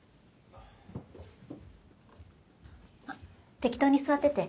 適当に座ってて。